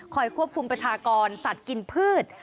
ควบคุมประชากรสัตว์กินพืช